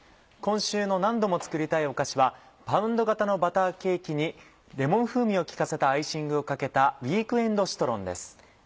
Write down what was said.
今週の「何度も作りたいお菓子」はパウンド形のバターケーキにレモン風味を利かせたアイシングをかけた「ウイークエンドシトロン」です。